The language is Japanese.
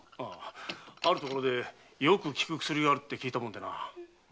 あるところでよく効く薬があるって聞いたもんでな。